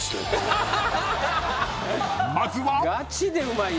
［まずは］